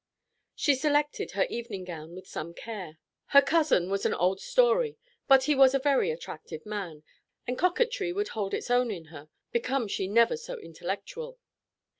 She selected her evening gown with some care; her cousin was an old story, but he was a very attractive man, and coquetry would hold its own in her, become she never so intellectual.